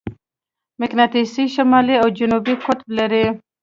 مقناطیس شمالي او جنوبي قطب لري.